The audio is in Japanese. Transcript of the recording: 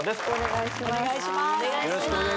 よろしくお願いします